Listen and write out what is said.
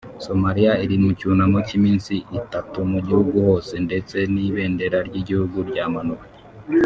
Somalia iri mu cyunamo cy’iminsi itatu mu gihugu hose ndetse n’ibendera ry’Igihugu ryamanuwe